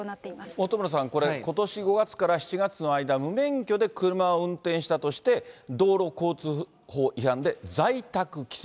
本村さん、これ、ことし５月から７月の間、無免許で車を運転したとして、道路交通法違反で在宅起訴。